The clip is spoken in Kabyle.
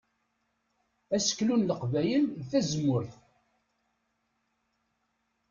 Aseklu n Leqbayel d tazemmurt.